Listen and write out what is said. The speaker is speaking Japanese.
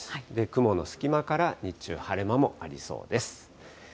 雲の隙間から日中、晴れ間もありそうです。